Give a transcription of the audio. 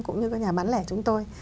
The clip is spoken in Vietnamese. cũng như các nhà bán lẻ chúng tôi